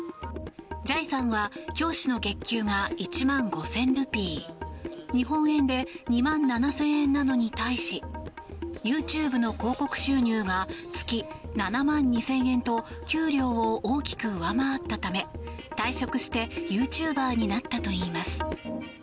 ジャイさんは教師の月給が１万５０００ルピー日本円で２万７０００円なのに対しＹｏｕＴｕｂｅの広告収入が月７万２０００円と給料を大きく上回ったため退職してユーチューバーになったといいます。